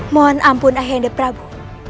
mohon ampun ayah anda prabu